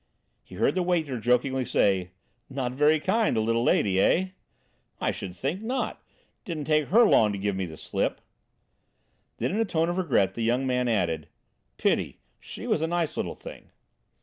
He heard the waiter jokingly say: "Not very kind, the little lady, eh?" "I should think not! Didn't take her long to give me the slip." Then in a tone of regret the young man added: "Pity, she was a nice little thing."